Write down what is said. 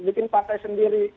bikin partai sendiri